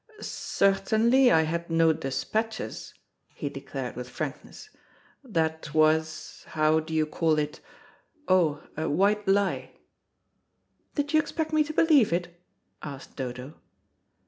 "Certainly I had no despatches," he declared with frankness; "that was how do you call it? oh, a white lie." "Did you expect me to believe it?" asked Dodo.